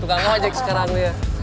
tukang ojek sekarang ya